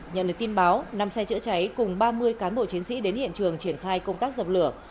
nhận được tin báo năm xe chữa cháy cùng ba mươi cán bộ chiến sĩ đến hiện trường triển khai công tác dập lửa